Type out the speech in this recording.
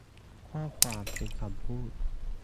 ข้อความเป็นคำพูด